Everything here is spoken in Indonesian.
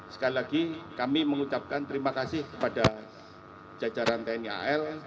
sekali lagi kami mengucapkan terima kasih kepada jajaran tni al